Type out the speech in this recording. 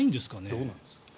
どうなんですか？